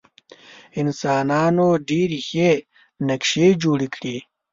انسانانو ډېرې ښې نقشې جوړې کړې.